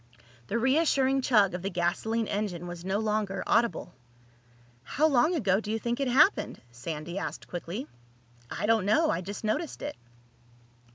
The reassuring chug of the gasoline engine was no longer audible. "How long ago do you think it happened?" Sandy asked quickly. "I don't know. I just noticed it."